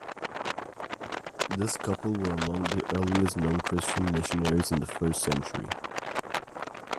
This couple were among the earliest known Christian missionaries in the first century.